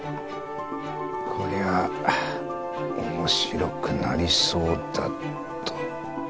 こりゃ面白くなりそうだと。